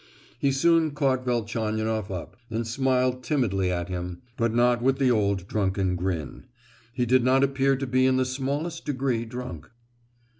He soon caught Velchaninoff up, and smiled timidly at him, but not with the old drunken grin. He did not appear to be in the smallest degree drunk.